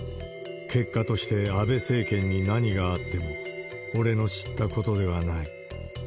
結果として安倍政権に何があっても、俺の知ったことではない。